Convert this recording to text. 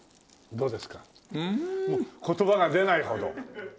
もう言葉が出ないほど。